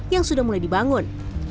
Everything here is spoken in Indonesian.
yang sudah mulai dibangun